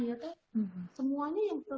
iya toh semuanya itu gitu ya